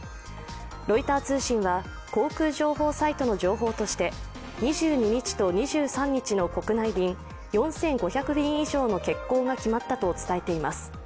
ロイター通信は航空情報サイトの情報として２２日と２３日の国内便、４５００便以上の欠航が決まったと伝えています。